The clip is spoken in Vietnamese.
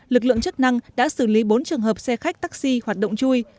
lực lượng chức năng đã xử lý bốn trường hợp xe khách taxi hoạt động chui